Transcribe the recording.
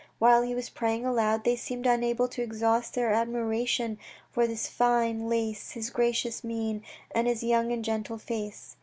While he was praying aloud, they seemed unable to exhaust their admiration for his fine lace, his gracious mien, and his young and gentle face.